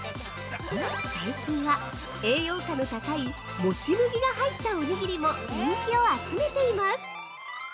◆最近は、栄養価の高い「もち麦」が入ったおにぎりも人気を集めています。